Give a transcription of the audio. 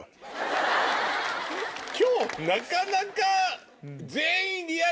今日なかなか。